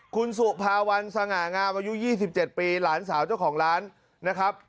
คุณสุภาวันสง่างามอายุ๒๗ปีหลานสาวเจ้าของร้านนะครับ